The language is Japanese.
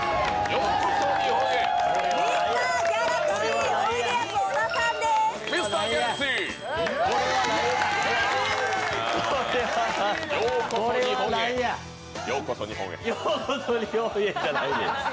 ようこそ日本へやない。